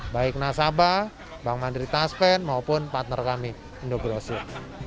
baik nasabah bank mandiri taspen maupun partner kami indogrosir